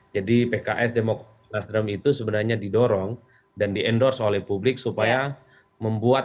jadi pks demokrasi nasdem itu sebenarnya didorong dan di endorse oleh publik supaya membuat